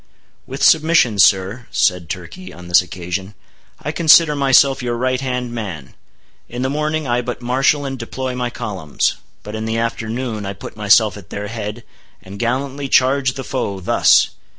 "With submission, sir," said Turkey on this occasion, "I consider myself your right hand man. In the morning I but marshal and deploy my columns; but in the afternoon I put myself at their head, and gallantly charge the foe, thus!"